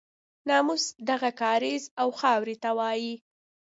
ناموس دغه کاریز او خاورې ته وایي.